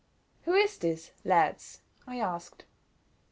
"Who is this, lads?" I asked.